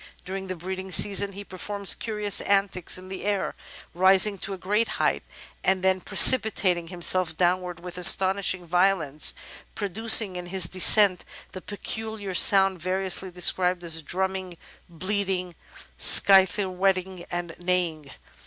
During the breeding season he performs curious antics in the air, rising to a great height, and ''precipitating himself down wards with astonishing violence, producing in his descent the peculiar sound variously described as drumming, bleating, scythe whetting, and neighing."